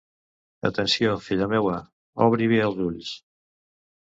Atenció, filla meua, obri bé els ulls!